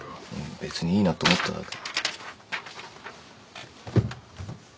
別にいいなって思っただけ。